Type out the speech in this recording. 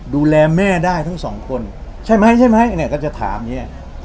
ดูแลแม่ได้ทั้งสองคนใช่ไหมใช่ไหมเนี่ยก็จะถามอย่างนี้